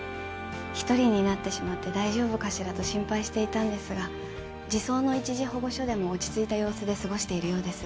１人になってしまって大丈夫かしらと心配していたんですが児相の一時保護所でも落ち着いた様子で過ごしているようです。